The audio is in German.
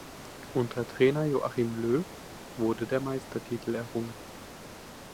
Unter Trainer Joachim Löw wurde der Meistertitel errungen.